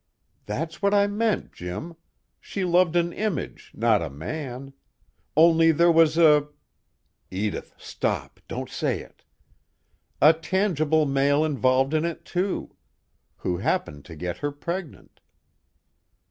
"That's what I meant, Jim. She loved an image, not a man. Only, there was a " (Edith, stop! Don't say it!) "a tangible male involved in it too, who happened to get her pregnant."